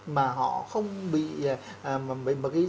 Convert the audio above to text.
mà họ không bị